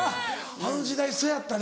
あの時代そやったね。